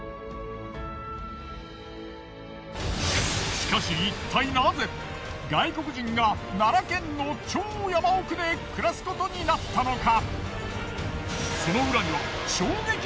しかしいったいなぜ外国人が奈良県の超山奥で暮らすことになったのか？